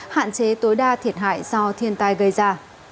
hạn chế tối đa thiệt hại do thiên tai gây ra